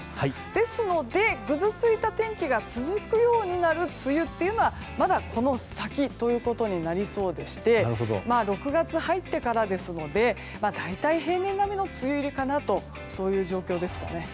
ですので、ぐずついた天気が続くようになる梅雨というのはまだこの先ということになりそうでして６月入ってからですので大体、平年並みの梅雨入りかなとそういう状況です。